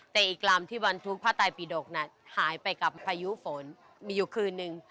แต่อีกลำที่บรรทุกพระตายปีดกน่ะหายไปกับพายุฝนมีอยู่คืนนึง